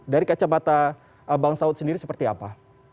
dari kacamata bang saud sendiri seperti apa